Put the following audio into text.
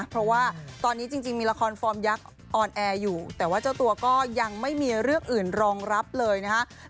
เพราะว่าตอนนี้จริงมีละครฟอร์มยักษ์ออนแอร์อยู่แต่ว่าเจ้าตัวก็ยังไม่มีเรื่องอื่นรองรับเลยนะครับ